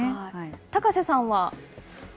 高瀬さんは。